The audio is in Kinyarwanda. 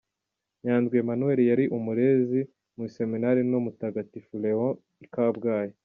Nyandwi Emmanuel yari umurezi mu iseminari nto ya Mutagatifu Léon i Kabgayi.